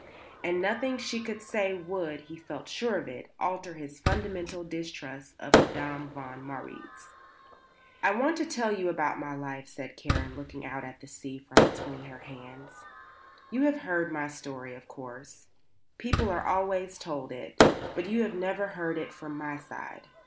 And nothing she could say would, he felt sure of it, alter his fundamental distrust of Madame von Marwitz. "I want to tell you about my life," said Karen, looking out at the sea from between her hands. "You have heard my story, of course; people are always told it; but you have never heard it from my side.